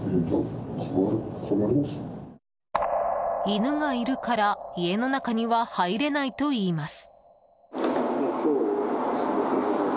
犬がいるから家の中には入れないといいます。